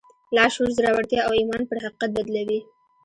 لاشعور زړورتيا او ايمان پر حقيقت بدلوي.